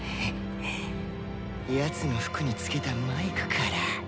やつの服につけたマイクから。